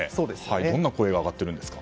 どんな声が上がっているんですか。